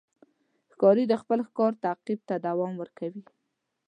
ښکاري د خپل ښکار تعقیب ته دوام ورکوي.